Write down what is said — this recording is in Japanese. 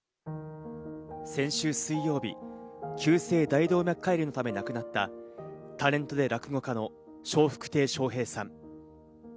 先週水曜日、急性大動脈解離で亡くなったタレントで落語家の笑福亭笑瓶さん。